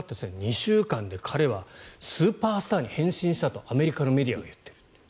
２週間で彼はスーパースターに変身したとアメリカのメディアが言ってる。